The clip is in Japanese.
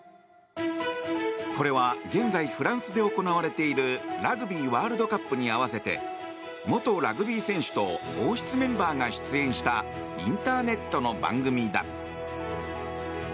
これは現在フランスで行われているラグビーワールドカップに合わせて元ラグビー選手と王室メンバーが出演したインターネットの番組だ。